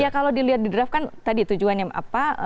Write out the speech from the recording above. ya kalau dilihat di draft kan tadi tujuannya apa